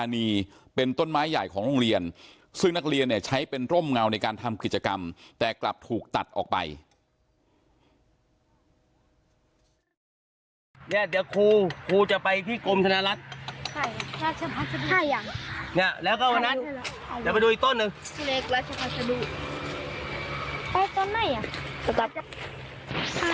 เนี่ยเดี๋ยวครูครูจะไปที่กรมศนรัฐแล้วก็วันนั้นเดี๋ยวไปดูอีกต้นหนึ่ง